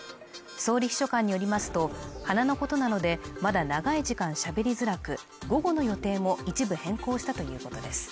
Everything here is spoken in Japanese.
総理秘書官によりますと鼻のことなのでまだ長い時間しゃべりづらく午後の予定も一部変更したということです